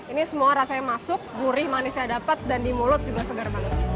ini semua rasanya masuk gurih manisnya dapat dan di mulut juga segar banget